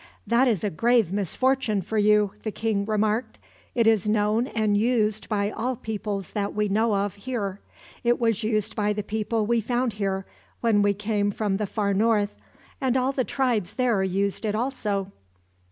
"That is a grave misfortune for you," the king remarked. "It is known and used by all peoples that we know of, here. It was used by the people we found here, when we came from the far north, and all the tribes there used it also.